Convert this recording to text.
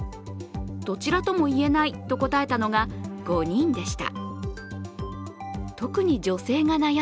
どちらともいえないと答えたのが５人でした。